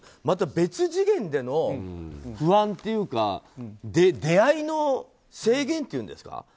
また別次元での不安というか出会いの制限っていうんですか。